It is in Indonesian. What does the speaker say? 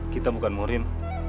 kita bukan murim